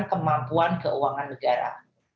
kemampuan keuangan negara